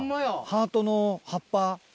ハートの葉っぱ。